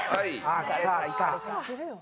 きたきた。